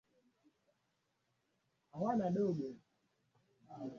Wageni wengi hufanya kosa la kujaribu mbio